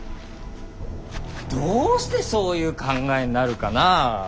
どうしてそういう考えになるかな。